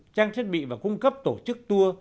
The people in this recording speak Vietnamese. trang thiết bị và cung cấp tổ chức tour